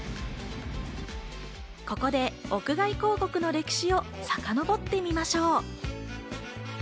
ここで屋外広告の歴史をさかのぼってみましょう。